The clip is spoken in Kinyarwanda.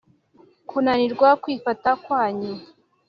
kunanirwa kwifata kwanyu